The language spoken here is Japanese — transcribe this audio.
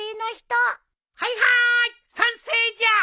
はいはい賛成じゃ！